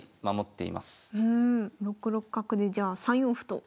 ６六角でじゃあ３四歩と。